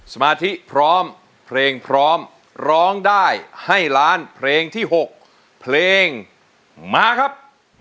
สมาธิพร้อมเพลงพร้อมร้องได้ให้ล้านเพลงที่๖เพลงมาครับ